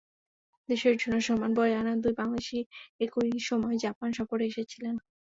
দেশের জন্যে সম্মান বয়ে আনা দুই বাংলাদেশি একই সময় জাপান সফরে এসেছিলেন।